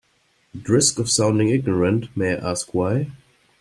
At risk of sounding ignorant, may I ask why?